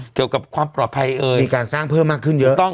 เกี่ยวกับความปลอดภัยเอ่ยมีการสร้างเพิ่มมากขึ้นเยอะ